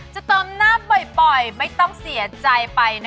จะไม่ถ่ายเหรอ